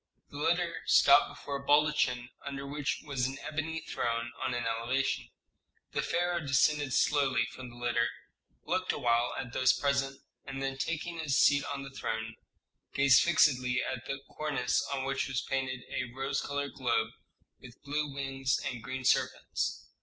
The litter stopped before a baldachin under which was an ebony throne on an elevation. The pharaoh descended slowly from the litter, looked awhile at those present, and then, taking his seat on the throne, gazed fixedly at the cornice on which was painted a rose colored globe with blue wings and green serpents.